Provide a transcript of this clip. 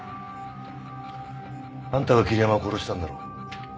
あんたが桐山を殺したんだろ？